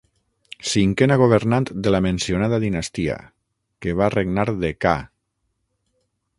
Cinquena governant de la mencionada dinastia, que va regnar de ca.